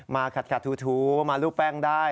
มาขัดทูมาลูกแป้งได้